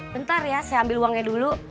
bentar ya saya ambil uangnya dulu